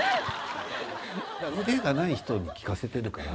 腕がない人に聞かせてるから。